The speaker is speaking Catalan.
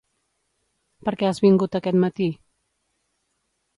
Per què has vingut aquest matí?